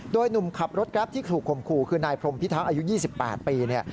ด้วยหนุ่มขับรถกราฟที่ถูกข่มขู่คือนายพรหมพิท้าอายุ๒๘ปี